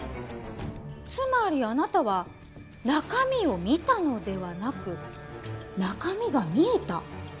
つまりあなたは中身を見たのではなく中身が見えた？